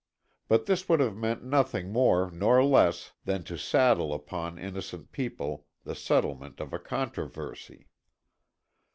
But this would have meant nothing more nor less than to saddle upon innocent people the settlement of a controversy.